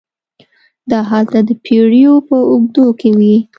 دا هلته د پېړیو په اوږدو کې وې.